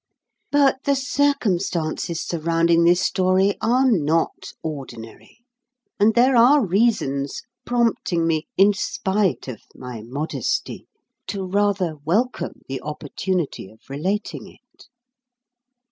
But the circumstances surrounding this story are not ordinary, and there are reasons prompting me, in spite of my modesty, to rather welcome the opportunity of relating it.